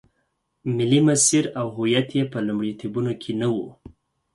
ملي مسیر او هویت یې په لومړیتوبونو کې نه و.